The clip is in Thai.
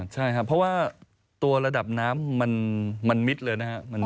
ใช่เพราะว่าตัวระดับน้ำมันมิดเลย